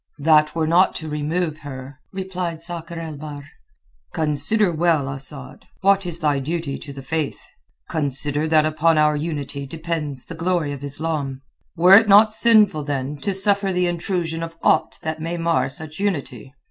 "That were not to remove her," replied Sakr el Bahr. "Consider well, Asad, what is thy duty to the Faith. Consider that upon our unity depends the glory of Islam. Were it not sinful, then, to suffer the intrusion of aught that may mar such unity?